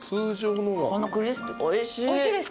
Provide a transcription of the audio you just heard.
おいしいですか？